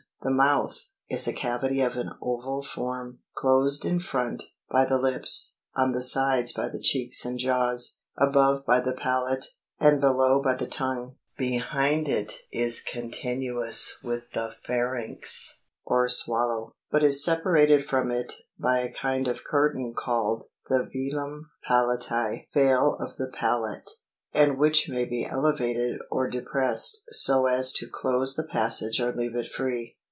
The mouth is a cavity of an oval form, closed in front by the lips, on the sides by the cheeks and jaws, above by the palate, and below by the tongue; behind it is continuous with the pharynx or swallow, but is separated from it by a kind of curtain called the velum palaii — (veil of the palate,) and which may be elevated or depressed so as to close the passage or leave it free.